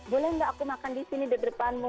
boleh gak aku makan disini di depanmu